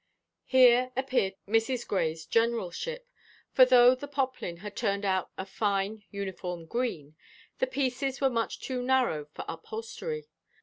Here appeared Mrs. Grey's generalship, for though the poplin had turned out a fine, uniform green, the pieces were much too narrow for upholstery.